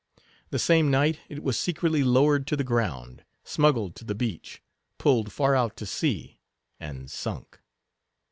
The same night, it was secretly lowered to the ground, smuggled to the beach, pulled far out to sea, and sunk.